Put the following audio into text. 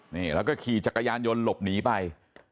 นี่แล้วก็ขี่จักรยานยนต์หลบหนีไป